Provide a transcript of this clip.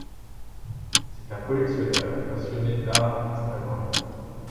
C'est un collectionneur passionné d'art d'Extrême-Orient.